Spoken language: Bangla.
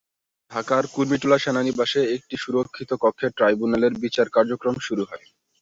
ঢাকার কুর্মিটোলা সেনানিবাসে একটি সুরক্ষিত কক্ষে ট্রাইব্যুনালের বিচার কার্যক্রম শুরু হয়।